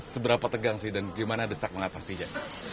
seberapa tegang sih dan bagaimana desak mengatasi dia